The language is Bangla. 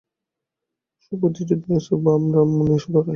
সুবুদ্ধি যদি আসে, রাম নাম করি, দেয় সে দৌড়।